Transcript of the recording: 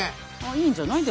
いいんじゃない？